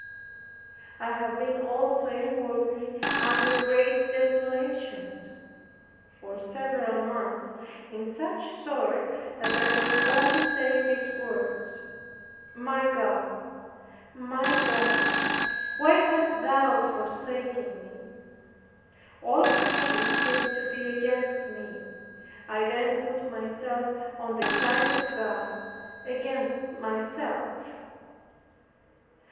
I have been also inwardly under great desolations for several months, in such sort that I could only say these words, "My God, my God, why hast thou forsaken me!" All creatures seemed to be against me. I then put myself on the side of God, against myself.